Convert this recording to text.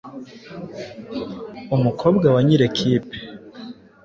Umukobwa wa nyiri ikipe